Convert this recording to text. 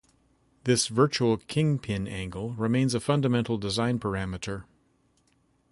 This virtual king pin angle remains a fundamental design parameter.